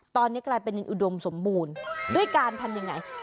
ตอนนี้กลายเป็นอุดมสมบูรณ์ด้วยการทำยังไง